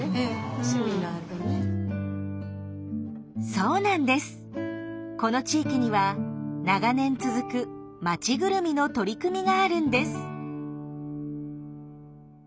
そうなんですこの地域には長年続く町ぐるみの取り組みがあるんです。